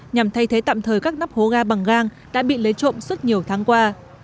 nhằm thay thế tạm thời các nắp hố ga bằng gang đã bị lấy trộm suốt nhiều tháng qua